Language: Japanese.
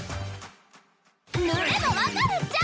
塗れば分かるっちゃ！